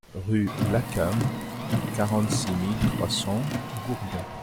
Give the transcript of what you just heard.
Rue Lacam, quarante-six mille trois cents Gourdon